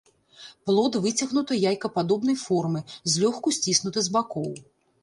Плод выцягнутай яйкападобнай формы, злёгку сціснуты з бакоў.